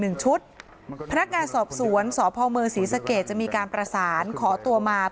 หนึ่งชุดพนักงานสอบสวนสพเมืองศรีสะเกดจะมีการประสานขอตัวมา